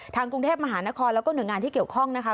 กรุงเทพมหานครแล้วก็หน่วยงานที่เกี่ยวข้องนะคะ